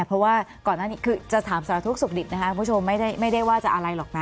เพราะว่าก่อนหน้านี้คือจะถามสารทุกข์สุขดิบนะคะคุณผู้ชมไม่ได้ว่าจะอะไรหรอกนะ